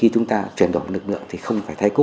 cùng một vải